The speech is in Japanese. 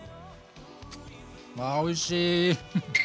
あおいしい！